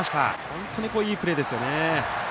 本当にいいプレーですよね。